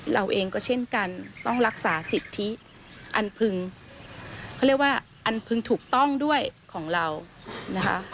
เราเองก็เช่นกันต้องรักษาสิทธิอันพึงเขาเรียกว่าอันพึงถูกต้องด้วยของเรานะคะ